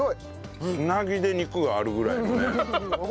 つなぎで肉があるぐらいのね感じよね。